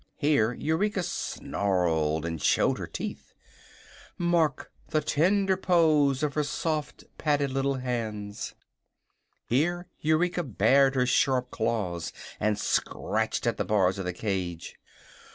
(here Eureka snarled and showed her teeth) "mark the tender pose of her soft, padded little hands!" (Here Eureka bared her sharp claws and scratched at the bars of the cage.)